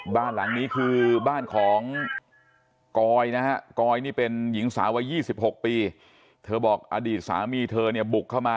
บ้านหลังนี้คือบ้านของกอยนะฮะกอยนี่เป็นหญิงสาววัย๒๖ปีเธอบอกอดีตสามีเธอเนี่ยบุกเข้ามา